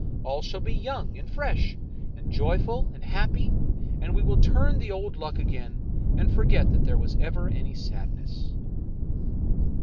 All shall be young, and fresh, and joyful, and happy, and we will turn the old luck again, and forget that there was ever any sadness.